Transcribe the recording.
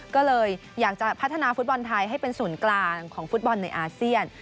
ก็เลยอยากจะพัฒนาฟุตบอลไทยให้เป็นศูนย์กลางของฟุตบอลในอาเซียน